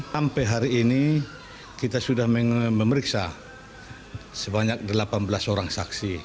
sampai hari ini kita sudah memeriksa sebanyak delapan belas orang saksi